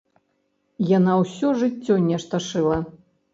Яна ўсё жыццё нешта шыла.